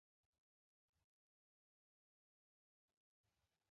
车仔电。